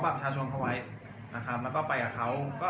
แต่ว่าเมืองนี้ก็ไม่เหมือนกับเมืองอื่น